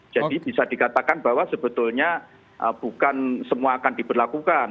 jadi bisa dikatakan bahwa sebetulnya bukan semua akan diberlakukan